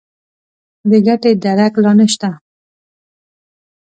د ګټې درک لا نه شته.